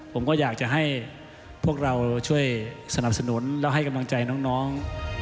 ผมก็อยากจะให้พวกเราช่วยสนับสนุนแล้วให้กำลังใจน้อง